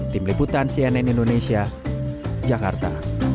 tim liputan cnn indonesia jakarta